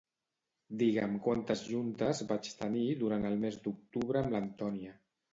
Digue'm quantes juntes vaig tenir durant el mes d'octubre amb l'Antònia.